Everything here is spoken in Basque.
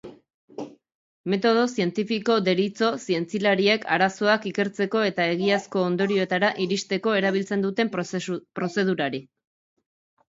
Metodo zientifiko deritzo zientzialariek arazoak ikertzeko eta egiazko ondorioetara iristeko erabiltzen duten prozedurari.